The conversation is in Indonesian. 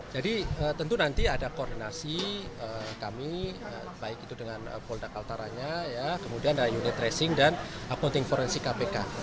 jadi tentu nanti ada koordinasi kami baik itu dengan polda kaltaranya kemudian unit tracing dan apotek forensik kpk